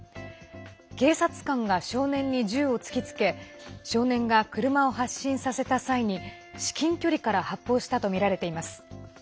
警察官が少年に銃を突きつけ少年が車を発進させた際に至近距離から発砲したとみられています。